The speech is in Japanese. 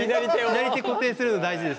左手固定するの大事です。